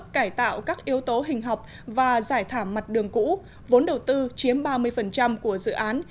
cải tạo các yếu tố hình học và giải thảm mặt đường cũ vốn đầu tư chiếm ba mươi của dự án